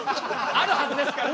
あるはずですからね。